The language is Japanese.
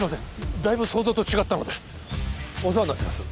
だいぶ想像と違ったのでお世話になってます